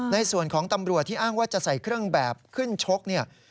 ในส่วนของตำรวจที่อ้างว่าจะใส่เครื่องแบบขึ้นชกเนี่ย